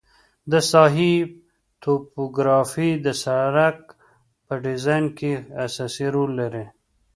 د ساحې توپوګرافي د سرک په ډیزاین کې اساسي رول لري